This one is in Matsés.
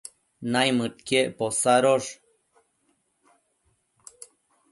naimëdquiec posadosh